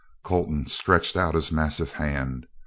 Colton stretched out his massive hand.